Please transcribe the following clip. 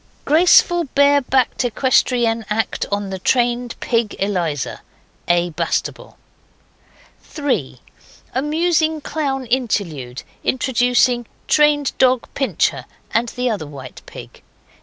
Graceful bare backed equestrienne act on the trained pig, Eliza. A. Bastable. 3. Amusing clown interlude, introducing trained dog, Pincher, and the other white pig.